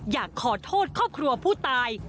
อยากขอโทษครอบครัวผู้ตาย